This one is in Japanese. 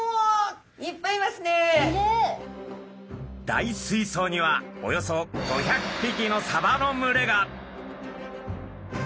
大水槽にはおよそ５００匹のサバの群れが。